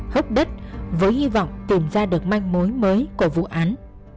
hốc đất với hy vọng tìm ra được manh mối mới của vụ án